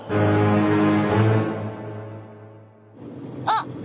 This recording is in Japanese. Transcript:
あっ！